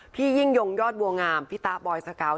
พี่ยิ่งยงดรบัวงามพี่ตาบอยซากาวะ